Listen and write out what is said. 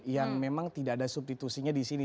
yang memang tidak ada substitusinya di sini